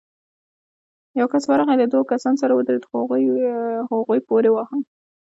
يو کس ورغی، له دوو کسانو سره ودرېد، خو هغوی پورې واهه.